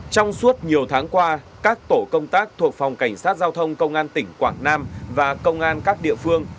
trong suốt nhiều tháng qua các tổ công tác thuộc phòng cảnh sát giao thông công an tỉnh quảng nam và công an các địa phương